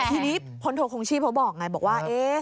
ทีนี้พลโทคงชีพเขาบอกไงบอกว่า